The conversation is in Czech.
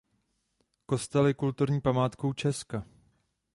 Kostel je kulturní památkou Česka.